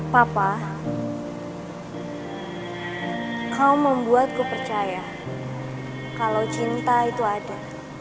papa kau membuatku percaya kalau cinta itu ada